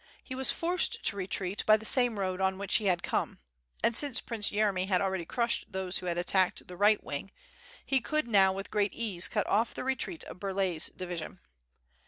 He was forced to retreat by the same road on which he had come; and since Prince Yeremy had already crushed those who had attacked the right wing, he could now with great ease cut off the retreat of Burlay^s division.